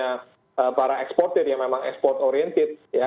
karena para ekspor ini memang ekspor orientated ya